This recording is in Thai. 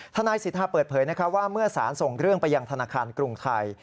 ทนายสิทธาเปิดเผยว่าเมื่อสารส่งเรื่องไปยังธนาคารกรุงไทย